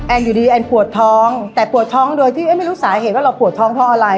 อยู่ดีแอนปวดท้องแต่ปวดท้องโดยที่ไม่รู้สาเหตุว่าเราปวดท้องเพราะอะไร